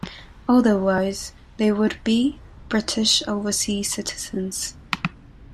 Otherwise they would be British Overseas citizens.